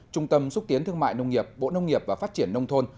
trung tâm xúc tiến thương mại nông nghiệp bộ nông nghiệp và phát triển nông thôn